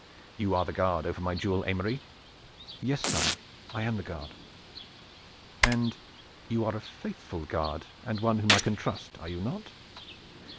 "You are the guard over my jewel, Aymery." "Yes, sire, I am the guard." "And you are a faithful guard and one whom I can trust, are you not?